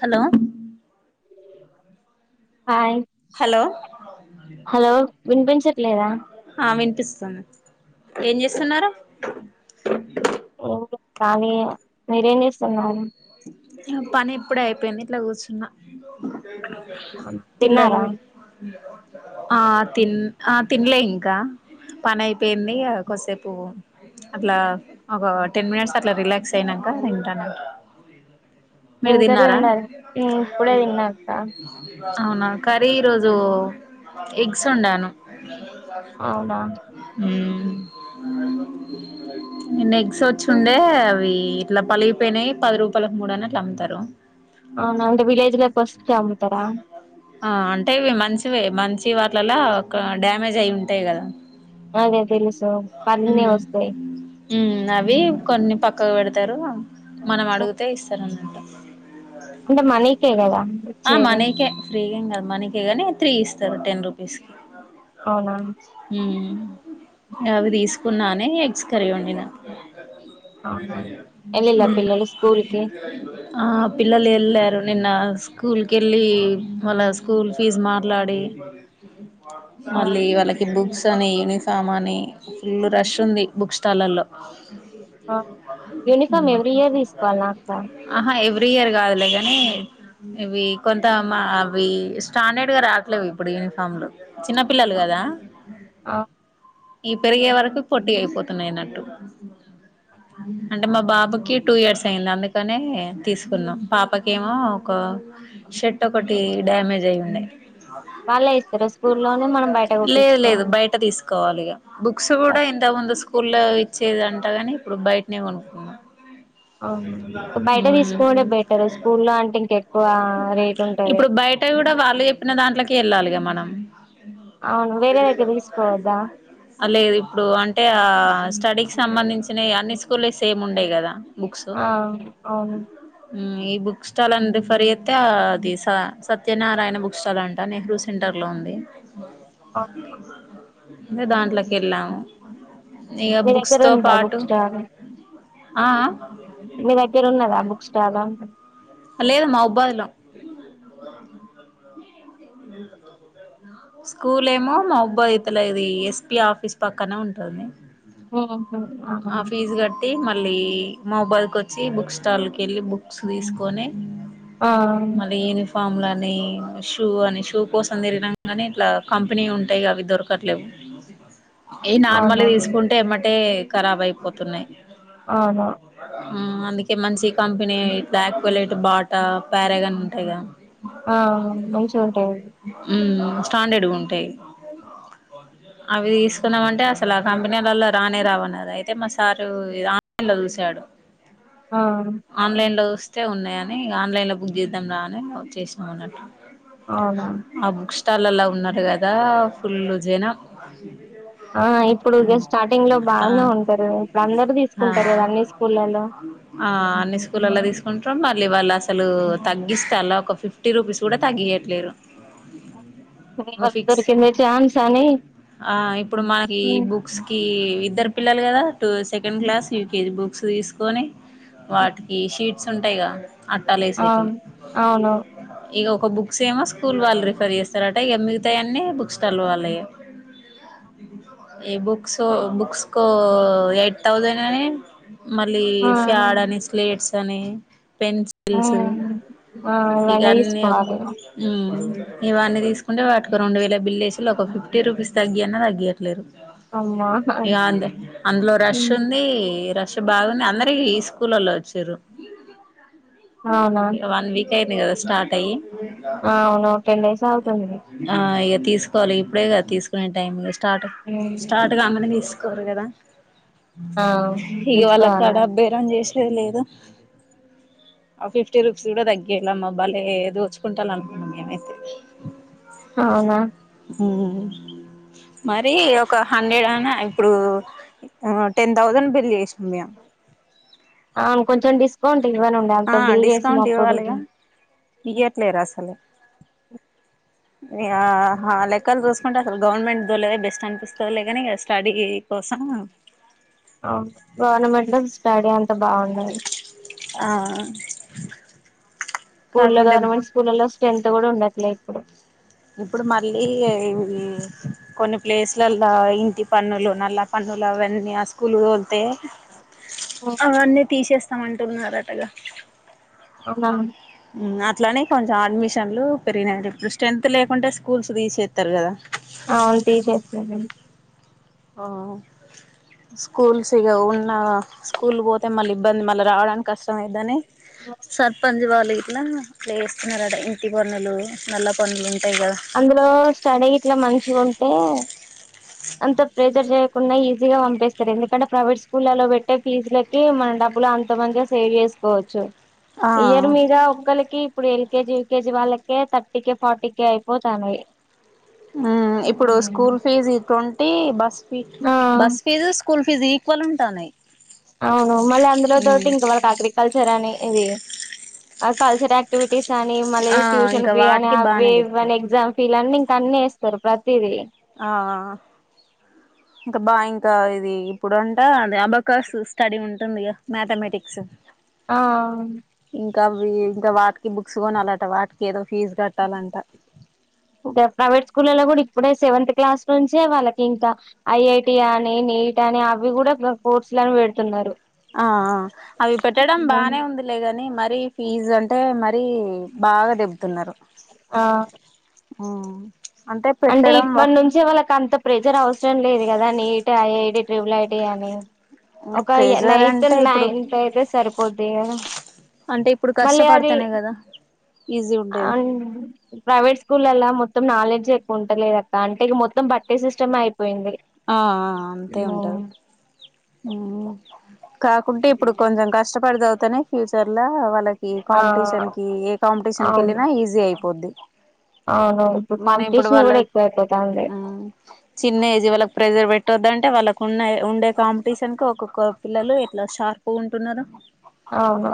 Hello hi hello hello వినిపించట్లేదా ఏం ఆ వినిపిస్తాన్ ఏం చే స్తున్నారు ఏం లే ఖాళీయే మీరేం చేస్తున్నారు పని ఎప్పుడే అయిపోయింది ఇట్లా కూర్చున్నా తిన్నారా పిల్లలు ఆ తిన్ ఆ తినలే ఇంకా పని అయిపోయింది ఇగ కోసేపు అట్లా ఒక టెన్ మినిట్స్ అట్లా రిలాక్స్ అయినాంకా తింటా నండి మీరు ఏం కర్రీ తిన్నారా వండారు ఉమ్, ఇప్పుడే తిన్నా అక్క అవునా కర్రీ ఈరోజు ఎగ్స్ ఉండాను అవునా హ్మ్ నిన్న ఎగ్స్ వచ్చుండే అవి ఇట్లా పలిగిపోయినాయి పది రూపాయలకు మూడు అన్నట్లు అమ్ముతారు అవునా అంటే విలేజ్ లో వస్తే అమ్ముతరా ఆ అంటే ఇవి మంచివే మంచి వాటిలలా ఒక డ్యామేజ్ అయి ఉంటాయి కదా అదే తెలుసు పన్ని వస్తాయ్ హ్మ్ అవి కొన్ని పక్కకు పెడతారు మనం అడుగితే ఇస్తారన్న అంటే మనీకే కదా ఆ వచ్చేది మనీకే ఫ్రీగా ఏం కాదు మనీ గానీ త్రీ ఇస్తారు టెన్ రూపీస్కి అవునా అవి తీసుకున్నానే ఎగ్స్ కర్రీ ఉండి నా అవునా వెళ్ళిలా పిల్లలు స్కూల్ కి అ ఆ పిల్లలు వెళ్ళారు నిన్న స్కూల్కి వెళ్ళి వాళ్ళ స్కూల్ ఫీజ్ మాట్లాడి ఆ, మళ్ళీ వాళ్ళకి బుక్స్ బుస్ అని యూనిఫామ్ అని ఫుల్ రష్ ఉంది బుక్ స్టాలల్లో ఆ. యూనిఫామ్ ఎవ్రీ ఇయర్ తీసుకోవాల అక్క ఏ ఫీయర్ కాదులే కానీ ఇవి కొంత అవి స్టాండర్డ్ గా రాకలేదు ఇప్పుడు నిఫామ్లు చిన్నపిల్లలు కదా ఆ, ఈ పెరిగే వరకు పోట్టీ అయిపోతున్నాయినట్టు అంటే మా బాబుకి టూ ఇయర్స్ అయింది అందుకనే తీసుకున్నాం పాపకేమో షర్ట్ ఒకటి డ్యామేజ్ అయి ఉండయి వాళ్ళే ఇస్తారా స్కూల్లోనే మనం బయట లేదు లేదు కుట్టించుకోవాలి బయట తీసుకోవాలి బుక్స్ కూడా ఇంత ముందు స్కూల్లో ఇచ్చేది అంటగాని ఇప్పుడు బయటనే కొనుక్కున్నాం బయట తీసుకుంటే బెటర్ స్కూల్ లో అంటే ఇంక ఎక్కువ రేట్ ఉంటది ఇప్పుడు బయట కూడా వాళ్ళ చెనాట్కి వెళ్ళాలిగా మనం అవును వేరే వైతే తీసుకోవద్దా లేదు ఇప్పుడు అంటే ఆ స్టడీకి సంబంధించినవి అన్ని స్కూల్ సేమ్ ఉండేయి కదా బుక్స్ ఆ అవును ఈ బుక్ స్టాల్ అని రిఫర్ అయిస్తతే అది సత్యనారాయణ బుక్ స్టాల్ అంట నెహ్రూ సెంటర్ లో ఉంది ఆ అ దాంట్లోకి వెళ్ళాము ఇక మీ బుక్స్ దగ్గర తో ఉందా పాటు బుక్ స్టాల్ ఆ మీ దగ్గర ఉన్నదా బుక్ స్టాల్ లేదమ్మా ఒబ్బాదిల స్కూల్ ఏమో మా ఉబ్బో ఇతల ఇది ఎస్పి ఆఫీస్ పక్కనే ఉంటుంది ఓహో ఆ ఫీజు కట్టి మళ్ళీ మొబైల్ క వచ్చి బుక్ స్టాల్ క వెళ్ళి బుక్స్ తీసుకొని ఆ ఫామ్లని షూ అని షూ కోసం తిరిగిన కానీ ఇట్లా కంపెనీ ఉంటాయి అవి దొరకట్లేవు దూ పాస్ ఏ నార్మల్ అవునవును తీసుకుంటే ఏమంటే ఖరాబ్ అయిపోతున్నాయి అవును అందుకే మంచి కంపెనీ బ్యాక్ వెళ్ళట్ బాటా ప్యారేగాని ఉంటాయి క ఆ మంచిగా ఉంటాయండి మ్ స్టాండర్డ్గా ఉంటాయి అవి తీసుకున్నామ అంటే అసలు ఆ కంపెనీలలో రానే రావన్నారు ద అయితే మా సారు ఇ ఆన్లైన్ లో చూశాడు ఆ ఆన్లైన్ లో చూస్తే ఉన్నాయని కా ఆన్లైన్ లో బుక్ చేద్దాం రా అని చేసామన్నట్టు అవునా ఆ బుక్ స్టాల్లా ఉన్నారు కదా ఫుల్ జైనా ఆ ఇప్పుడు స్టార్టింగ్ లో ఆ బాగానే ఉంటంది ఇప్పుడు అందరుూ ఆ తీసుకుంటారు కదా అన్ని స్కూళ్లలో వాళ్ళ అసలు తగ్గిస్త అ ఒక ఫిఫ్టీ రూపీస్ కూడా తగ్గియట్లేరు [inaudible] వ ఫిక్స్ దొరికింద చఛాన్సన్న ఆ ఇప్పుడు మనకి బుక్స్ కి ఇద్దరు పిల్లలు కదా సెకండ్ క్లాస్ యూకజీ బుక్స్ తీసుకొని వాటికి షీట్ స ఉంటాయి ఆ అట్టాలుసేటి అవును ఇ ఒక బుక్స్ ఏమో స్కూల్ వాళ్ళ రిఫర్ చేస్తారట ఎ తయన్ని బుక్ స్టాళ్ళవాళ్ళయే ఏ బుక్స్ బుక్ ఇకో ఎయిట్ థౌజండ్ అని మళ్ళీ ఆ ఫ్యాడ్ అని స్లేట్స్ అని ఆ పెన్సిల్స్ ఆ ఇవన్నీ తీసుకోవాలి ఇవన్నీ తీసుకుంటే వాటికి రెండు వేల బిల్ వేసి ఒక ఫిఫ్టీ రూపీస్ తగ్గి అన్న తగ్గయట్లేరు అమ్మా అందులో రష్ ఉంది రష్ బాగుంది అందరికి స్కూల్ల్లో వచ్చారు అవునా ఇ వన్ వీక్ అయింది కదా స్టార్ట్ అయ్య అవును టెన్ డేస్ అవుతుంది ఆ ఎ తీసుకోవాలి ఇప్పుడే కదా తీసుకునే టైం స్టార్ట్ స్టార్ట్ గా గాంగానే తీసుకోవాలి కదా ఆ ఇ వాళ్ళ తీసుకోవాలి కాడ బేరం చేలేదు లేదు ఆ ఫిఫ్టీ రూపీస్ కూడా తగ్గళమ్మా భలే దోచుకుంటాల అనమా మేమైతే అవునా మరి ఒక హండ్రెడ్ అన్న ఇప్పుడు టెన్ థౌజండ్ బిల్ చేసాం మేము కొంచెం డిస్కౌంట్ ఇవ్వలండి అంత బిల్ చేసినప్పుడు ఇయ్యట్లేదు అసలు ఇక ఆ లెక్కల్ చూస్ చకుంటే అసలు గవర్నమెంట్ దో లేది బెస్ట్ అనిపిస్తు లే కాని స్టడీ కోసం ఆ గవర్నమెంట్ లో స్టడీ అంత బాగుందిడి ఆ స్కూళ్ల్లో కాకుండా గవర్నమెంట్ స్కూల్లో స్ట్రెంత్ కూడా ఉండట్లే ఇప్పుడు ఇప్పుడు మళ్ళీ కొన్ని ప్లేస్లలో ఇంటి పన్నలు నల్ల పన్న న్నులు అవన్నీ అసల్ అవన్నీ తీసేస్తామంటున్నారు అటగా అవునా అట్లానే కొంచెం అడ్మిషన్లు పెరిగినాయి ఇప్పుడు స్ట్రెన్త్ లేకుంటే స్కూల్స్ తీసేస్తారు కదా అవును తీసేస్తారు ఆ స్కూల్స్ ఇగ ఉన్న స్కూల్ పోతే మళ్ళీ ఇబ్బంది మళ్ళ రావడానికి కష్టం అయిద్దని సర్పంచ్ వారు ఇట్లా ప్లేస్తున్నారుట ఇంటి పన్నులు నల్ల పన్నులు ఉంటాయి కదా అందులో స్టడీ ఇట్లా మంచి ఉంటే అంత ప్రెజర్ చేయకుండా ఈజీగా పంపిస్తారు ఎందుకంటే ప్రైవేట్ స్కూల్లో పెట్టే ఫీజులకి మనం డబ్బులు అంత మందిగా సేవ్ చేసుకోవచ్చు ఆ ఇయర్ మీద ఒక్కరికి ఇప్పుడు ఎల్కేజీ యూకేజీ వాళ్ళకే థర్టీక ఫార్టీక అయిపో పోతానాయి ఇప్పుడు school fees twenty bus fee ఆ bus fees school fees equal ఉంటానాయి అవును మళ్ళీ అందులో తోటి ఇంకా వాళ్ళకి అగ్రికల్చర్ అని ఇది ఆ కల్చర్ ఆక్టివిటీస్ కాని మళ్ళీ ఆ ట్యూషన్ ఇంకా ఫి అని వాటికి అవి బానే ఇవని తెత్తారు ఎగ్జామ్ ఫీలు అన్నీ ఇంకా అన్నీ ఏస్తారు ప్ర ఆ ఇంకా బా ఇంకా ఇది ఇప్పుడు అంటా అదే అబా కోస్ స్టడీ ఉంటుంది గా మ్యాథమెటిక్స్ ఆ ఇంకా వి ఇంకా వాటికి బుక్స్ కొనాలట వాటికి ఏదో ఫీజు కట్టాలంట ప్రైవేట్ స్కూల్ల్లో కూడా ఇ ఇప్పుడే సెవెంత్ క్లాస్ నుంచే వాళ్ళకి ఇంకా ఐఐటి అని నీట్ అని అవి కూడా కోర్స్ లను పెడుతున్నారు ఆ అవి పెట్టడం బానే ఉందిలేగాని మరి ఫీజ్ అంటే మ అ బాగా దెబుతున్నారు ఆ అంటే ఇప్పటి నుంచే వాళ్ళకి అంత ప్రెజర్ అవసరం లేదు కదా నీట్ ఐ ఐడి ట్రిబల్ ఐడియాని ఒక ప్రెజర్ నైత్ అంటే ఇప్పుడు నైన్త్ అయితే సరిపోద్ కదా అంటే ఇప్పుడు కష్టపడుతనేయి కదా ఈజీ అ ఉండేది ప్రైవేట్ స్కూల్ ఎలా మొత్తం నాలెడ్జ్ ఉండలేదు అక్క అంటే ఇక మొత్తం బట్టే సిస్టమ్ అయి ఆ అంతే ఉంటది కాకపోతే ఇప్పుడు కొంచెం కష్టపడిద అవుతనే ఫ్యూచర్ వాళ్ళకి ఆ కాంపిటీషన్ కి ఏ కాంపిటీషన్ కీ అవును ఈజీ అయిపోద్ది అవును మన ఇప్పుడు కాంపిటీషన్ వాళ్ళ కూడా ఎక్కువ అయిపోతాంది చిన్న ఏజ్ వాళ్ళ ప్రెజర్ పెట్టొద్దంటే వాళ్ళకు ఉన్న ఉండే కాంపిటీషన్ క ఒక ఒక్కొక్క పిల్లలు ఎట్లా షార్ప్ ఉంటున్నారు అవును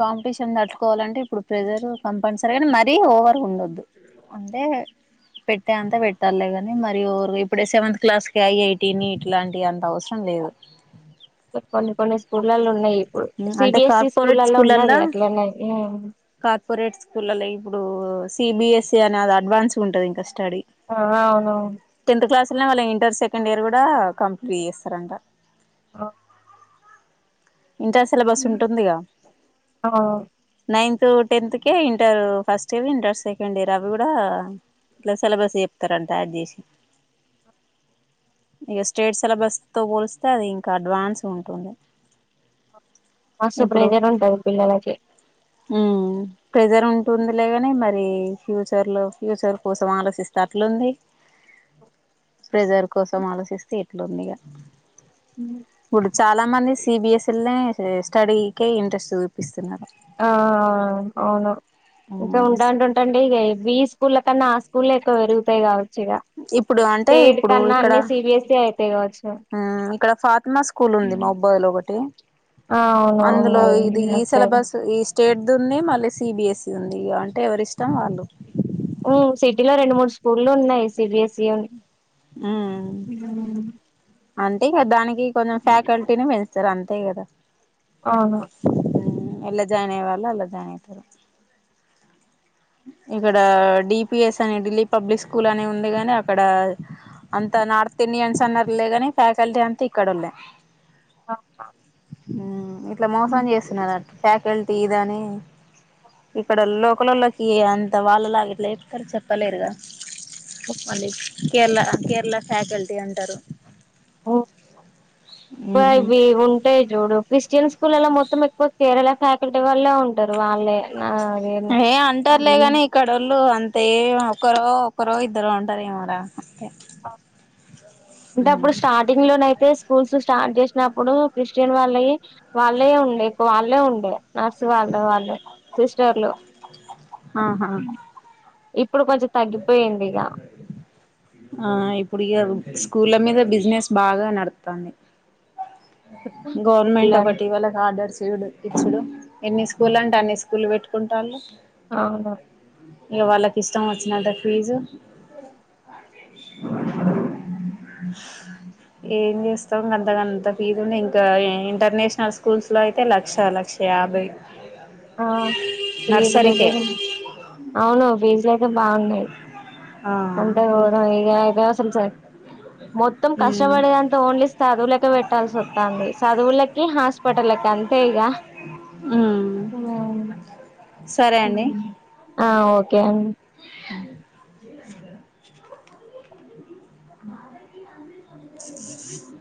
కాంపిటీషన్ తట్టుకోవాలింటే ఇప్పుడు ప్రెజర్ కంపల్సరీగా మరీ ఓవర్ ఉండదు అంటే పెట్టే అంత పెట్టాలిగాని మరి ఇప్పుడ సెవంతు క్లాస్కి ఐఐటి నీట్ లాంటివి అంత అవసరం లేదు కొన్ని కొన్ని స్కూళ్లో ఉన్నాయి ఇప్పుడు అంటే సిబిఎస్ఈ కార్పొరేట్ స్కూల్లో ఉన్నది స్కూలల్లా అట్లనే కార్పొరేట్ స్కూల్లో ఇప్పుడు సిబిఎస్సి అనేది అడ్వాన్స్ ఉంటది ఇంకా స్టడీ ఆ అవునవును అసలనే వాళ్ళ ఇంటర్ సెకండ్ ఇయర్ కూడా కంప్లీట్ చేస్తారంట ఆ ఇంటర్ సిలబస్ ఉంటుందిగా ఆ నైన్త్ టెన్త్ కె ఇంటరు ఫస్ట్ ఇంట సెండ్ఇర్ అవి కూడా ఇట్లా సిలబస్ చెప్తారంట యాడ్ చేసి ఇక స్టేట్ సెలబస్తో పోలిస్తే అది ఇంకా అడ్వాన్స్ ఉంటుంది మస్తు ప్రెషర్ ఉంటది పిల్లలకి ఉ ప్రెజర్ ఉంటుంది లేగాని మరి ఫ్యూచర్ లో ఫ్యూచర్ కోసం ఆలోచిస్తేట్లుంది ప్రెజర్ కోసం ఆలోచిస్తే ఇట్లుందిగా ఇప్పుడు చాలా మంది సిబిఎస్ఈ స్టడీ కే ఇంట్రెస్ట్ చూపిస్తంది ఆ ఆ అవును ఇంకా ఉంటంట ఉంటండి ఈ స్కూల్లో కన్నా ఆ స్కూల్ స్కూల్ ఎక్కువ పెరుగుతాయి కావచ్చు ఇగ ఇప్పుడు అంటే ఇప్పుడు ఇక్కడ అయితాయి కావచ్చు ఇక్కడ ఫాతిమా స్కూల్ ఉంది మా అబ్బాయి ఒకటి ఆ అవును అవును అందులో ఇది ఈ అటు సైడ్ సిలబస్ స్టేట్ది ఉంది మళ్ళీ సిబిఎస్ఈ ఉంది ఇ అంటే ఎవరి ఇష్టం వాళ్ళు సిటీలో రెండు మూడు స్కూళ్లు ఉన్నాయి సిబిఎస్ఈని ఉ అంతే కదా దానికి కొంచెం ఫ్యాకల్టీని పెంచుతారు అంతే కదా ఔను ఎలా జాయిన్ అయ్యేవాళ్ళు అలా జాయిన్ అయితారు ఇక్కడ డిపిఎస్ అని ఢిల్లీ పబ్లిక్ స్కూల్ అని ఉంది గాని అక్కడ అంత నార్త్ ఇండియన్స్ అన్నారు లేగాని ఫ్యాకల్టీ అంతా ఇక్కడ ఉండ అవునా ఇట్లా మోసం చేస్తున్నారు ఫ్యాకల్టీ అని ఇక్కడ లోకంలోవచ్చి అంత వాళ్ళలా ఇట్లా చెప్తారు చెప్పలేరుగా మళ్ళీ కేరళ కేరళ ఫ్యాకల్టీ అంటారు బ ఉంటాయి చూడు క్రిస్టియన్స్ స్కూల్లో మొత్తం ఎక్కువ కేరళ ఫ్యాకల్టీ వల్లే ఉంటారు వాళ్ళే ఏ అంటారులేగాని ఇక్కడళ్ళు అంత ఏ ఒకరు ఒకరు ఇద్దరు ఉంటారు ఏమోర అంటే అప్పుడు స్టార్టింగ్ లోన అయితే స్కూల్స్ స్టార్ట్ చేసినప్పుడు క్రిస్టియన్ వాళ్ళ వాళ్ళే ఉండే ఎక్కొ వాళ్ళే ఉండే నర్స్ వాళ్ళ ఉండే వాళ్ళు సిస్టర్లు ఆహా ఇప్పుడు కొంచెం తగ్గిపోయింది ఇక ఆ ఇప్పుడిగా స్కూళ్ళ మీద బిజినెస్ బాగా నడుతుంది గవర్నమెంట్ స్కూల్ ఒకటి వాళ్ళకి ఆర్డర్స్ డు ఇచ్చుడు ఎన్ని స్కూల్ అంటే అన్ని స్కూలు పెట్టుకుంటళ్ళు అవును ఇగా వాళ్ళకి ఇష్టం వచ్చినత ఫీజు ఏం చేస్తాం ఇంకంతగంతే ఫీజ్ లు ఇంకా ఇంటర్నేషనల్ స్కూల్స్ లో అయితే లక్ష లక్ష యాభై ఆ ఫీజ్ లు నర్సరీకే అవును ఫీజ్ లు అయితే బాగున్నాయి ఆ అంత గోతం [unintelligible] మొత్తం ఉమ్ కష్టపడేదంతా ఓన్లీ చదువులకే పెట్టాల్సి వస్తుంది చదువులకి హాస్పి ట్టలకి అంతే ఇగ ఉమ్ సరే అండి ఆ ఓకే అండి అ మా..